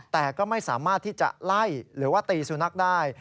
แต่ก็ไม่สามารถที่จะไล่หรือว่าตีสุนัขได้